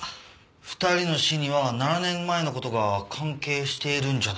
２人の死には７年前の事が関係しているんじゃないか？